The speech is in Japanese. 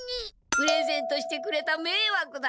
プレゼントしてくれためいわくな。